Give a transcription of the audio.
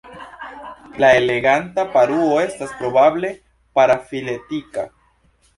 La Eleganta paruo estas probable parafiletika.